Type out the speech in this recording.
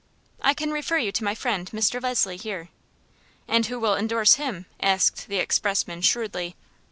"I can refer you to my friend, Mr. Leslie, here." "And who will indorse him?" asked the expressman, shrewdly.